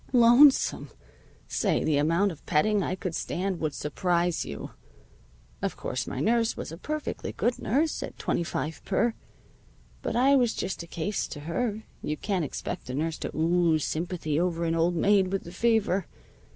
Lonesome! Say, the amount of petting I could stand would surprise you. Of course, my nurse was a perfectly good nurse at twenty five per. But I was just a case to her. You can't expect a nurse to ooze sympathy over an old maid with the fever.